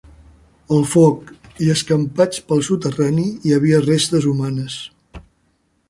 Al foc, i escampats pel soterrani, hi havia restes humanes.